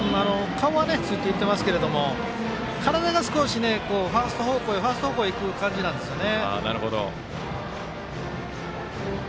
顔はついていってますけど体が少しファースト方向へいく感じなんですね。